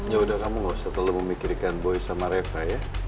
ya udah kamu gak usah terlalu memikirkan boy sama reva ya